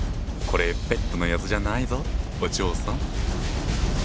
これベッドのやつじゃないぞお嬢さん。